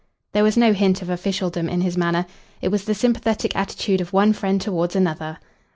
There was no hint of officialdom in his manner. It was the sympathetic attitude of one friend towards another.